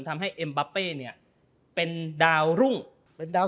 ทำให้เอ็มบาเป้เนี่ยเป็นดาวรุ่งเป็นดาว